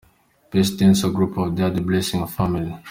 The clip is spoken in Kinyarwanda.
Best Dance group of the year: The Blessing Family.